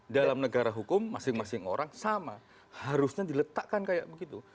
dalam negara hukum masing masing orang sama harusnya diletakkan kayak begitu